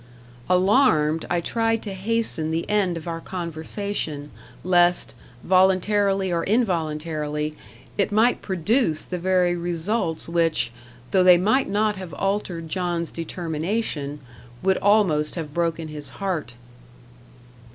Alarmed, I tried to hasten the end of our conversation, lest, voluntarily or involuntarily, it might produce the very results which, though they might not have altered John's determination, would almost have broken his heart.